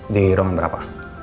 di ruangan berapa